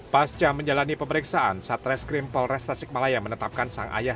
pasca menjalani pemeriksaan satreskrim polres tasikmalaya menetapkan sang ayah